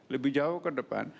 lebih jauh ke depan